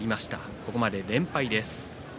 ここまで連敗です。